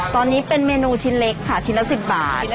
ตอนนี้เป็นเมนูชิ้นเล็กค่ะชิ้นละ๑๐บาท